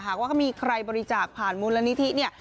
หากว่ามีใครบริจาคผ่านมูลนิธิ